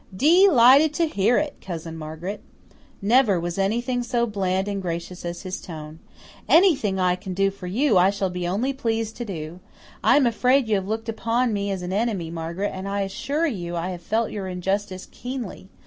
"DE lighted to hear it, Cousin Margaret." Never was anything so bland and gracious as his tone. "Anything I can do for you I shall be only too pleased to do. I am afraid you have looked upon me as an enemy, Margaret, and I assure you I have felt your injustice keenly.